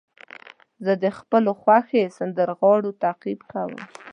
زه د خپلو خوښې سندرغاړو تعقیب کوم.